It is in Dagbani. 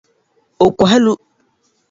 O kɔhi lu